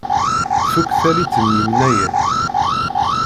Tfuk tallit n yimnayen.